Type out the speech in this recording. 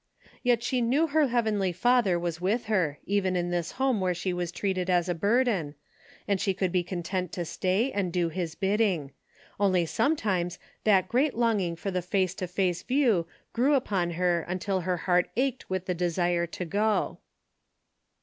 Yet she knew her heav* enly Father was with her, even in this home A DAILY RATE:'> 85 where she was treated as a burden, and she could be content to stay and do his bidding, only sometimes that great longing for the face to face view grew upon her till her heart ached with the desire to go.